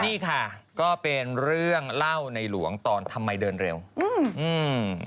นี่ค่ะก็เป็นเรื่องเล่าในหลวงตอนทำไมเดินเร็วอืมอืม